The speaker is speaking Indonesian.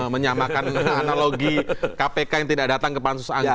menyamakan analogi kpk yang tidak datang ke pansus angket